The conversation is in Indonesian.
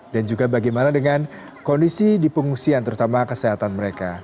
juga bagaimana dengan kondisi di pengungsian terutama kesehatan mereka